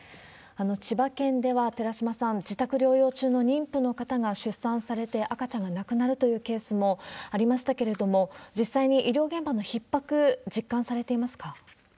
千葉県では寺嶋さん、自宅療養中の妊婦の方が出産されて赤ちゃんが亡くなるというケースもありましたけれども、実際に医療現場のひっ迫、実感されていますか？